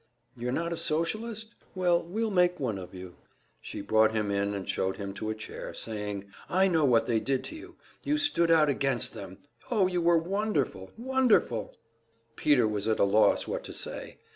"You're not a Socialist? Well, we'll make one of you." She brought him in and showed him to a chair, saying, "I know what they did to you; and you stood out against them! Oh, you were wonderful! Wonderful!" Peter was at a loss what to say.